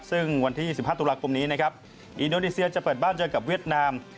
ซึ่งวันที่๒๕ตุลาคมนี้นะครับอินโดนีเซียจะเปิดบ้านเจอกับเวียดนาม